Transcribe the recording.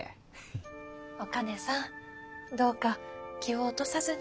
お兼さんどうか気を落とさずに。